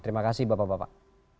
terima kasih bapak bapak